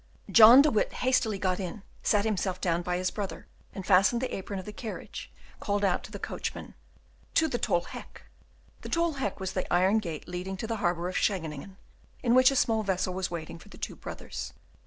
John de Witt hastily got in, sat himself down by the side of his brother, and, fastening the apron of the carriage, called out to the coachman, "To the Tol Hek!" The Tol Hek was the iron gate leading to the harbor of Schevening, in which a small vessel was waiting for the two brothers.